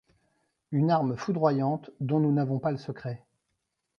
Une arme foudroyante dont nous n’avons pas le secret !